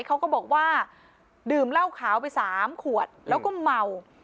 เขาก็บอกว่าดื่มเหล้าขาวไป๓ขวดแล้วก็เมา